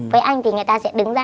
với anh thì người ta sẽ đứng ra